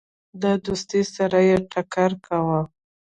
د دوستی سره یې ټکر کاوه.